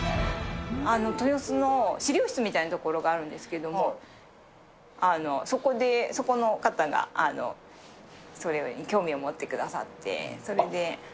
豊洲の資料室みたいな所があるんですけれども、そこで、そこの方が、それに興味を持ってくださって、それで。